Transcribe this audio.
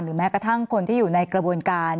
แม้กระทั่งคนที่อยู่ในกระบวนการ